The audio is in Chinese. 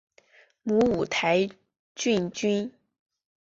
母五台郡君。